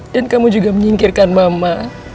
dan kamu juga menyingkirkan mama